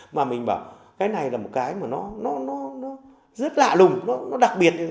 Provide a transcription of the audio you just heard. mà mình bảo cái này là một cái mà nó rất lạ lùng nó đặc biệt